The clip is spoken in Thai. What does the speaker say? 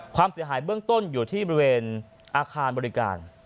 ความเสียหายเบื้องต้นอยู่ที่บริเวณอาคารบริการ